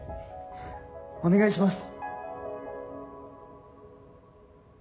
お願いします！